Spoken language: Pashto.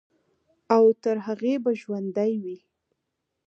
او تر هغې به ژوندے وي،